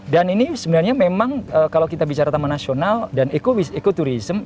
dan ini sebenarnya memang kalau kita bicara taman nasional dan ekoturism